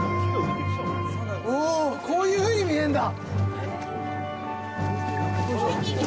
こういうふうに見えるんだ！